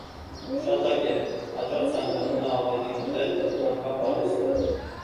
Շատակեր է, հաճախ ցանկանում է ավելին ուտել, քան կա պահեստում։